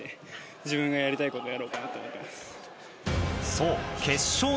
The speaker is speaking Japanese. そう。